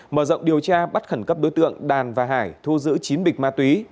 mở rộng điều tra bắt khẩn cấp đối tượng đàn và hải thu giữ chín bịch ma túy